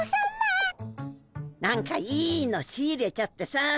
何かいいの仕入れちゃってさ。